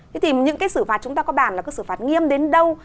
thế thì những cái xử phạt chúng ta có bàn là cứ xử phạt nghiêm đến đâu